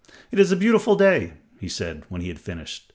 "It is a beautiful day," he said, when he had finished.